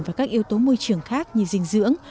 và các yếu tố môi trường khác như dinh dưỡng